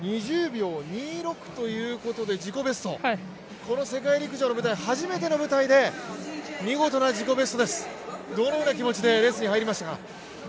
２０秒２６ということで自己ベスト、この世界陸上初めての舞台で、見事な自己ベストです、どのような気持ちでレースに入りましたか？